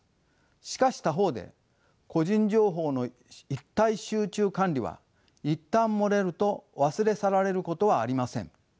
しかし他方で個人情報の一体集中管理は一旦漏れると忘れ去られることはありません。